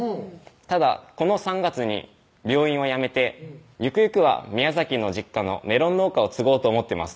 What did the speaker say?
「ただこの３月に病院を辞めてゆくゆくは宮崎の実家のメロン農家を継ごうと思ってます」